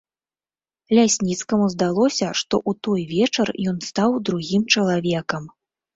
Лясніцкаму здалося, што ў той вечар ён стаў другім чалавекам.